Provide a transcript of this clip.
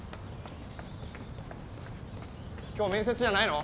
今日面接じゃないの？